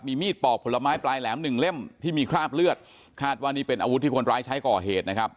มีมีดปอกผลไม้ปลายแหลมหนึ่งเล่มที่มีคราบเลือดคาดว่านี่เป็นอาวุธที่คนร้ายใช้ก่อเหตุนะครับ